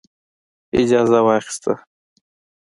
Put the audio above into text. اجازه واخیستله.